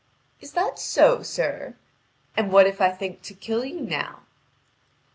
"Is that so, sir? And what if I think to kill you now?"